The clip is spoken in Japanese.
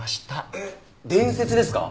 えっ伝説ですか？